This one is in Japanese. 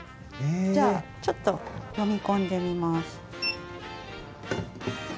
じゃあちょっと読み込んでみます。